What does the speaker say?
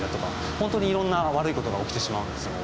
本当にいろんな悪いことが起きてしまうんですよ。